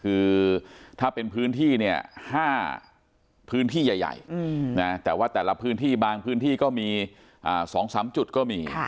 คือถ้าเป็นพื้นที่เนี่ย๕พื้นที่ใหญ่แต่ว่าแต่ละพื้นที่บางพื้นที่ก็มี๒๓จุดก็มี